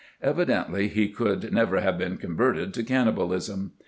Evidently he could never have been converted to cannabalism.